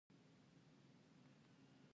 د مخابراتي سکتور عاید څومره دی؟